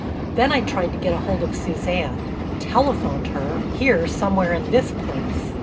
Then I tried to get hold of Suzanne—telephoned her, here somewhere in this place.